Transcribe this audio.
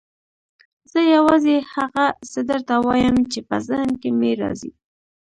زه یوازې هغه څه درته وایم چې په ذهن کې مې راځي.